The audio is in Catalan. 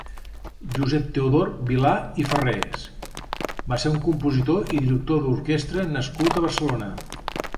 Josep Teodor Vilar i Farrés va ser un compositor i director d'orquestra nascut a Barcelona.